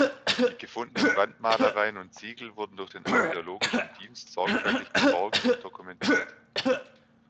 Die gefundenen Wandmalereien und Ziegel wurden durch den Archäologischen Dienst sorgfältig geborgen und dokumentiert.